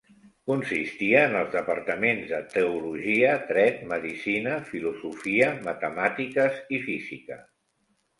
Consistia en els departaments de teologia, dret, medicina, filosofia, matemàtiques i física.